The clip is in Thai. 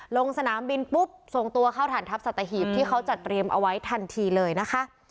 ลงสนามบินปุ๊บส่งตัวเข้าฐานทัพสัตหีบที่เขาจัดเตรียมเอาไว้ทันทีเลยนะคะ